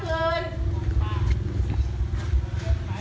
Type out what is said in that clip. เอาล่ะนี่เอานั่งลง